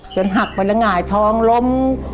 หักไปแล้วหงายท้องล้ม